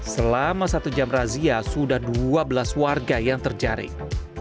selama satu jam razia sudah dua belas warga yang terjaring